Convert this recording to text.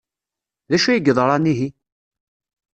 D acu ay yeḍran ihi?